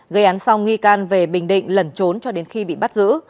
gây án xong nghi can về bình định lẩn trốn cho đến khi bị bắt giữ